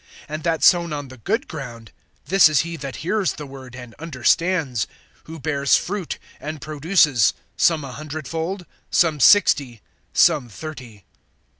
(23)And that sown on the good ground, this is he that hears the word and understands; who bears fruit, and produces, some a hundredfold, some sixty, some thirty.